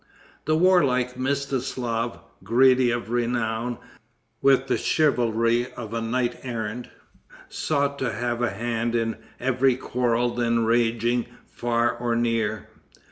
The warlike Mstislaf, greedy of renown, with the chivalry of a knight errant, sought to have a hand in every quarrel then raging far or near.